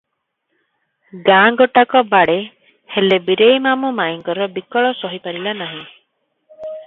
ଗାଁ ଗୋଟାକ ବାଡ଼େ, ହେଲେ ବୀରେଇ ମାମୁ ମାଇଁଙ୍କର ବିକଳ ସହିପାରିଲା ନାହିଁ ।